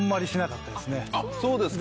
あっそうですか。